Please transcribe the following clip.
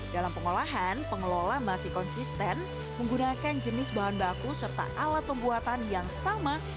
dalam pengolahan pengelola masih konsisten menggunakan jenis bahan baku serta alat pembuatan yang sama